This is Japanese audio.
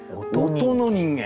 音の人間。